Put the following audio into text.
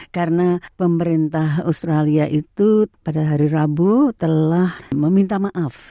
karena pemerintah australia itu pada hari rabu telah meminta maaf